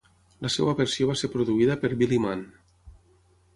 La seva versió va ser produïda per Billy Mann.